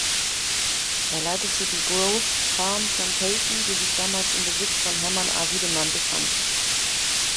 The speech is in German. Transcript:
Er leitete die Grove Farm Plantation, die sich damals im Besitz von Hermann A. Widemann befand.